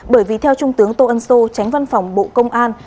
bởi vì theo trung tướng tô ân sô tránh văn phòng bộ công an